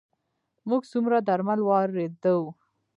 موږ څومره درمل واردوو؟